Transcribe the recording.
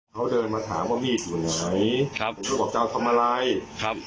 เขาเดินมาถามว่ามีดมันไงครับแล้วก็บอกเจ้าทำอะไรครับ